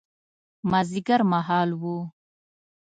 مازیګر مهال و.